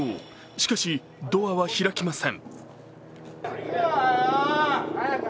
しかしドアは開きません。